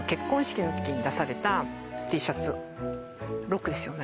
これはロックですよね